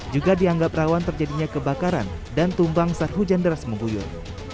juga dianggap rawan terjadinya kebakaran dan tumbang saat hujan deras mengguyur